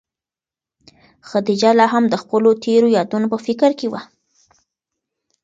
خدیجه لا هم د خپلو تېرو یادونو په فکر کې وه.